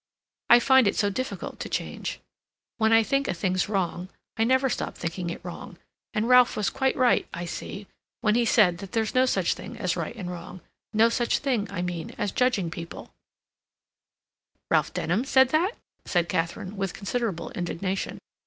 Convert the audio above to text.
I find it so difficult to change. When I think a thing's wrong I never stop thinking it wrong, and Ralph was quite right, I see, when he said that there's no such thing as right and wrong; no such thing, I mean, as judging people—" "Ralph Denham said that?" said Katharine, with considerable indignation.